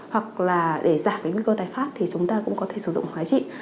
hoặc là để giảm những cơ tài phát thì chúng ta cũng có thể sử dụng hóa trị